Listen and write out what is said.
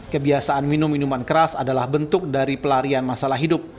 kebiasaan minum minuman keras adalah bentuk dari pelarian masalah hidup